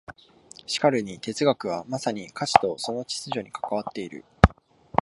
しかるに哲学はまさに価値とその秩序に関わっている。